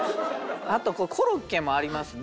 あとコロッケもありますね。